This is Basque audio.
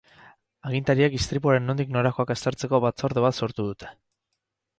Agintariek istripuaren nondik norakoak aztertzeko batzorde bat sortu dute.